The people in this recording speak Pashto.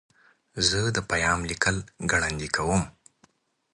زه د پیام لیکل ګړندي کوم.